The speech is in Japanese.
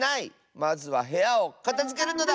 まずはへやをかたづけるのだ！